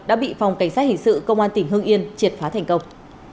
đã bị phòng cảnh sát hình sự công an tỉnh hương yên triệt phá thành công